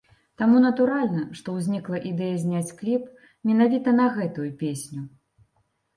Таму натуральна, што ўзнікла ідэя зняць кліп менавіта на гэтую песню.